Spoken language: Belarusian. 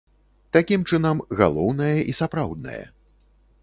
Такім чынам, галоўнае і сапраўднае.